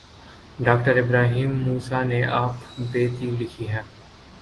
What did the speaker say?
ڈاکٹرابراہیم موسی نے آپ بیتی لکھی ہے۔